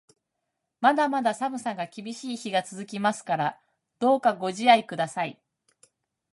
まだまだ寒さが厳しい日が続きますから、どうかご自愛ください。